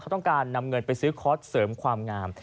ต้องการนำเงินไปซื้อคอร์สเสริมความงาม